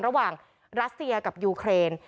ระหว่างรัสเซียกับยูเครน